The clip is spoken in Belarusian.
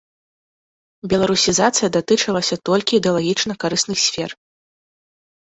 Беларусізацыя датычылася толькі ідэалагічна карысных сфер.